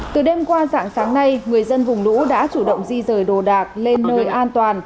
từ đêm qua dạng sáng nay người dân vùng lũ đã chủ động di rời đồ đạc lên nơi an toàn